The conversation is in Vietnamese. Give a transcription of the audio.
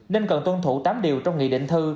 nên cần tuân thủ tám điều trong nghị định thư